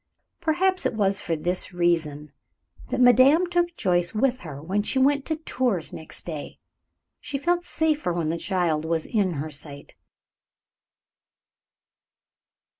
Perhaps it was for this reason that madame took Joyce with her when she went to Tours next day. She felt safer when the child was in her sight.